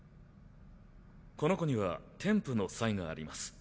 この子には天賦の才があります。